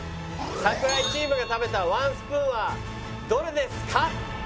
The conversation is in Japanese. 櫻井チームが食べたワンスプーンはどれですか！？